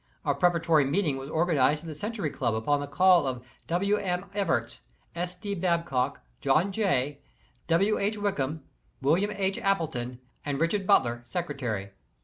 A preparatory meeting was organized at the Century Club upon the call of W. M. Evarts, S. D. Babcock, John Jay, W. H. Wickham, William H. Appleton and Richard Butler, Secretary.